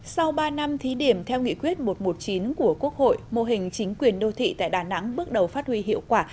sau ba năm thí điểm theo nghị quyết một trăm một mươi chín của quốc hội mô hình chính quyền đô thị tại đà nẵng bước đầu phát huy hiệu quả